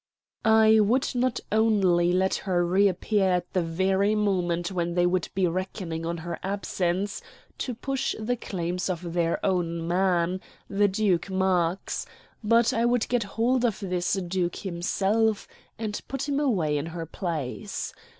I would not only let her reappear at the very moment when they would be reckoning on her absence to push the claims of their own man, the Duke Marx; but I would get hold of this duke himself and put him away in her place.